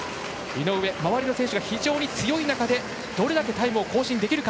井上、周りの選手が非常に強い中でどれだけタイムを更新できるか。